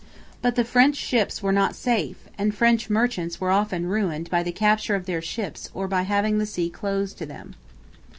But the French ships were not safe, and French merchants were often ruined by the capture of their ships or by having the sea closed to them.